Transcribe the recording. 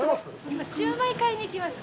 今、シューマイ買いに来ました。